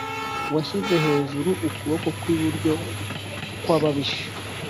washyize hejuru ukuboko kw’iburyo kw’ababisha